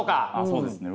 そうですね。